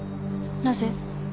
なぜ？